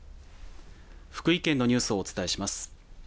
福井県のニュースをお伝えします。